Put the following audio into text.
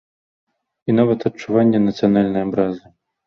І нават адчуванне нацыянальнай абразы.